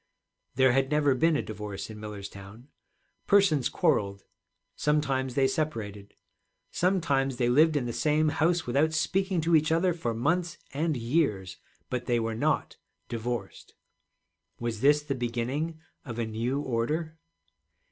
There had never been a divorce in Millerstown; persons quarreled, sometimes they separated, sometimes they lived in the same house without speaking to each other for months and years, but they were not divorced. Was this the beginning of a new order?